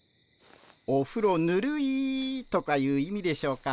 おふろぬるいとかいう意味でしょうか。